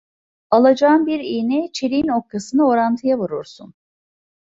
Alacağın bir iğne, çeliğin okkasını orantıya vurursun.